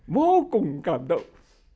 vô cùng cảm động